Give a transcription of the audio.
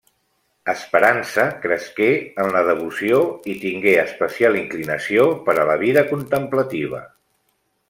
Esperança cresqué en la devoció i tingué especial inclinació per a la vida contemplativa.